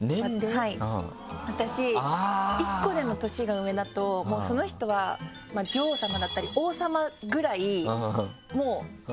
私１個でも年が上だともうその人は女王様だったり王様ぐらい。